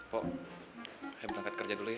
pok ayo berangkat kerja dulu ya